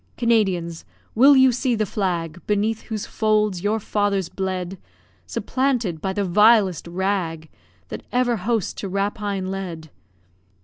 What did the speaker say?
Canadians! will you see the flag, Beneath whose folds your fathers bled, Supplanted by the vilest rag That ever host to rapine led?